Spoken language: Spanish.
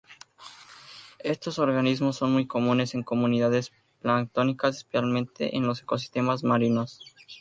Estos organismos son muy comunes en comunidades planctónicas, especialmente en los ecosistemas marinos.